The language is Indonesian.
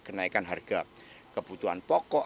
kenaikan harga kebutuhan pokok